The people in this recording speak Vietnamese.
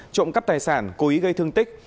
trộm cắp tài sản cố ý gây thương tích